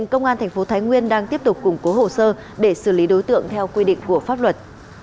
công an tp thái nguyên đang tiếp tục củng cố hồ sơ để xử lý đối tượng theo quy định của pháp luật